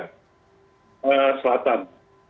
di wilayah selatan